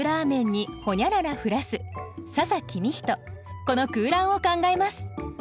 この空欄を考えます